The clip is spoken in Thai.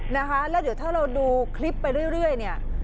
นะคะแล้วเดี๋ยวถ้าเราดูคลิปไปเรื่อยเนี่ย